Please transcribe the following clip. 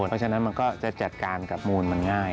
เพราะฉะนั้นมันก็จะจัดการกับมูลมันง่าย